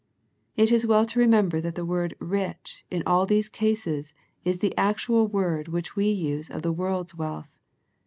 It is well to remember that the word " rich " in all these cases is the actual word which we use of the world's wealth.